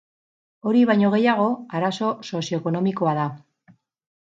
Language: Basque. Hori baino gehiago, arazo sozio-ekonomikoa da.